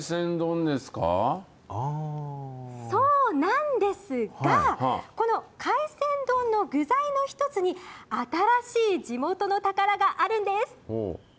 そうなんですが、この海鮮丼の具材の１つに、新しい地元の宝があるんです。